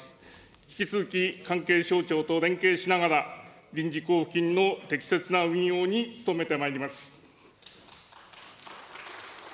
引き続き関係省庁と連携しながら、臨時交付金の適切な運用に努めてまいります。